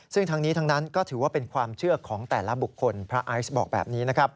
ซึ่งทางนี้ทางนั้นก็ถือว่าเป็นความเชื่อของแต่ละบุคคลพระอาทิตย์บอกแบบนี้